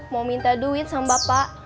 mau minta duit sama bapak